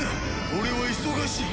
俺は忙しい。